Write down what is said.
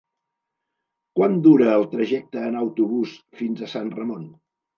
Quant dura el trajecte en autobús fins a Sant Ramon?